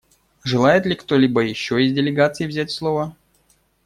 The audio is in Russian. Желает ли кто-либо еще из делегаций взять слово?